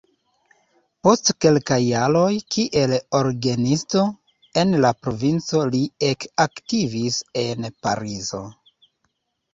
Post kelkaj jaroj kiel orgenisto en la provinco li ekaktivis en Parizo.